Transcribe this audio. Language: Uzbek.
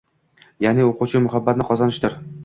Ya’ni o’quvchi muhabbatini qozonishdir.